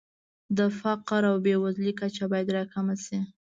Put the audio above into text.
د فقر او بېوزلۍ کچه باید راکمه شي.